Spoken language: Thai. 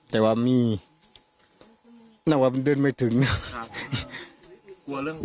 แต่ว่ามีน่าว่ามันเดินไม่ถึงนะ